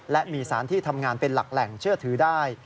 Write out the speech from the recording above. และมีสารที่ทำงานเป็นหลักแหล่งเชื่อถือได้